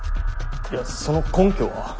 いやその根拠は？